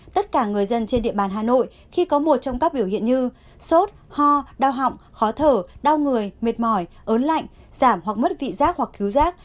tất cả người dân trên địa bàn hà nội khi có một trong các biểu hiện như sốt ho đau họng khó thở đau người mệt mỏi ớn lạnh giảm hoặc mất vị giác hoặc cứu giác